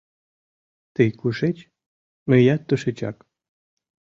— Тый кушеч — мыят тушечак...